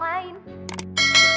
saya ingin berbicara sama sama